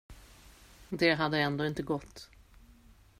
Det hade ändå inte gått.